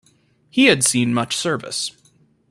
He had seen much service.